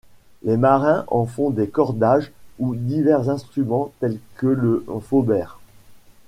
Les marins en font des cordages ou divers instruments tels que le faubert.